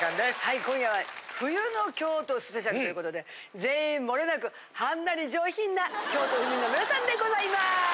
今夜は冬の京都スペシャルということで全員もれなくはんなり上品な京都府民の皆さんでございます。